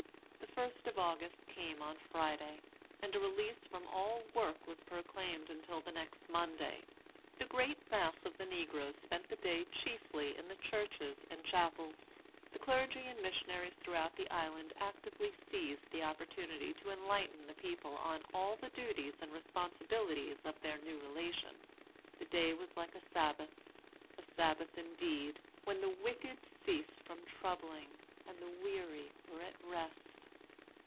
"The 1st of August came on Friday; and a release from all work was proclaimed until the next Monday. The great mass of the negroes spent the day chiefly in the churches and chapels. The clergy and missionaries throughout the island actively seized the opportunity to enlighten the people on all the duties and responsibilities of their new relation. The day was like a Sabbath. A Sabbath, indeed, when 'the wicked ceased from troubling and the weary were at rest.'